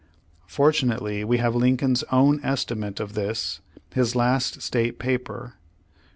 Fortunately we have Lincoln's own estimate of this, his last state paper.